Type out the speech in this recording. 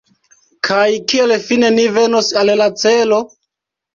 Kaj kiel fine ni venos al la celo?